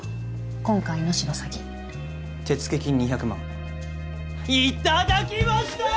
今回のシロサギ手付金２００万いただきました！